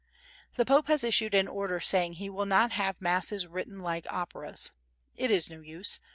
The Pope has issued an order saying he will not have masses written like operas. It is no use.